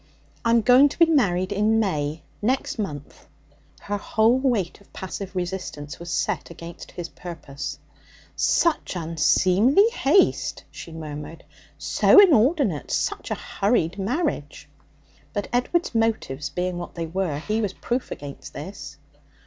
'I'm going to be married in May, next month.' Her whole weight of passive resistance was set against his purpose. 'Such unseemly haste!' she murmured. 'So inordinate such a hurried marriage!' But, Edward's motives being what they were, he was proof against this.